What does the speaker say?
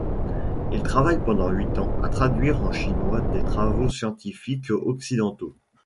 Il travaille pendant huit ans à traduire en chinois des travaux scientifiques occidentaux.